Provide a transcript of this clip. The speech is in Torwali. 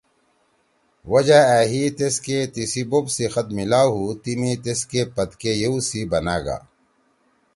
وجہ أ ہی تیسکے تیِسی بوپ سی خط میلاؤ ہُو تیِمی تیسکے پدکے یؤ سی بنا گا